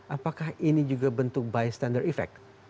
apakah ini juga bentuk bystander effect